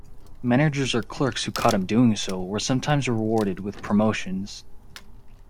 Managers or clerks who caught him doing so were sometimes rewarded with promotions.